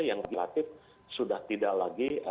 yang relatif sudah tidak lagi